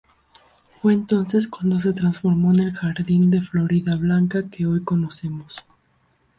Fue entonces cuando se transformó en el Jardín de Floridablanca que hoy conocemos.